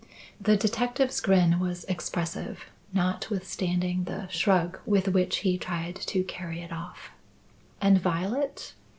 The detective's grin was expressive, notwithstanding the shrug with which he tried to carry it off. And Violet?